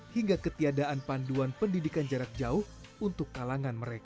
hingga ketiadaan panduan pendidikan jarak jauh untuk kalangan mereka